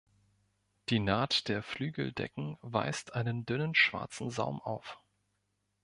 Die Naht der Flügeldecken weist einen dünnen schwarzen Saum auf.